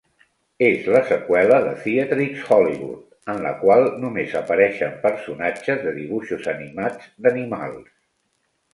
És la seqüela de "Theatrix's Hollywood", en la qual només apareixien personatges de dibuixos animats d'animals.